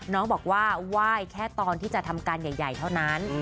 น้องบอกว่าไหว้แค่ตอนที่จะทำการใหญ่เท่านั้น